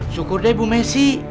syukur deh ibu messi